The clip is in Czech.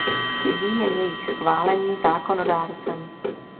Chybí jen jejich schválení zákonodárcem.